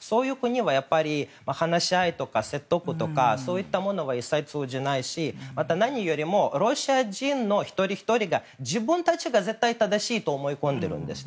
そういう国は話し合いとか説得とかそういったものが一切通じないし、何よりもロシア人の一人ひとりが自分たちが絶対正しいと思い込んでるんですね。